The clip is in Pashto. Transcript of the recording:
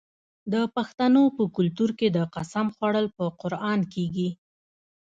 د پښتنو په کلتور کې د قسم خوړل په قران کیږي.